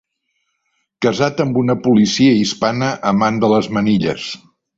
Casat amb una policia hispana amant de les manilles.